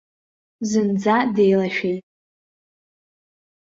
Зынӡа деилашәеит.